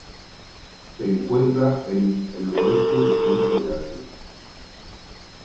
Se encuentra en el oeste de centro de Asia.